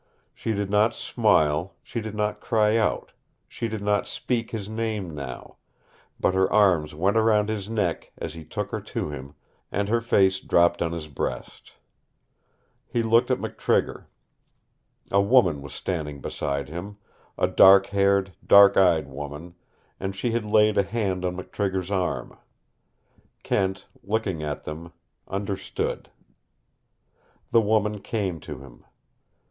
She did not smile, she did not cry out, she did not speak his name now; but her arms went round his neck as he took her to him, and her face dropped on his breast. He looked at McTrigger. A woman was standing beside him, a dark haired, dark eyed woman, and she had laid a hand on McTrigger's arm, Kent, looking at them, understood. The woman came to him.